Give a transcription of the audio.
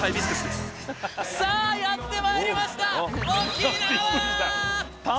さあやってまいりました